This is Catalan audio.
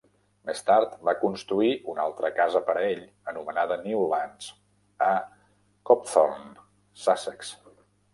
Més tard va construir una altra casa per a ell, anomenada "Newlands", a Copthorne, Sussex.